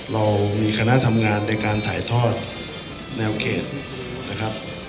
เรามีคณะทำงานในการถ่ายทอดแนวเขตนะครับ